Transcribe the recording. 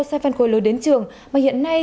xe phân khối lớn đến trường mà hiện nay